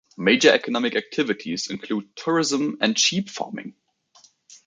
Major economic activities include tourism and sheep farming.